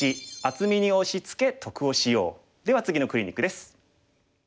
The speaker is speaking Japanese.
では次のクリニックです。